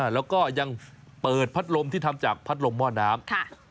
แล้วก็ยังเปิดพัดลมที่ทำจากพัดลมหม้อน้ำ